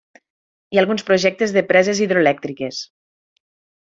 Hi ha alguns projectes de preses hidroelèctriques.